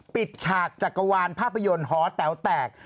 ฉากจักรวาลภาพยนตร์หอแต๋วแตก